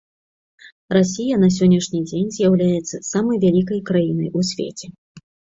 Расія на сённяшні дзень з'яўляецца самай вялікай краінай у свеце.